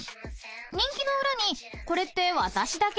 ［人気の裏にコレって私だけ？